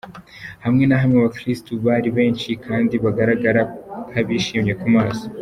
Hamwe na hamwe abakirisito bari benshi kandi bagaragara nk’abishimye ku maso :.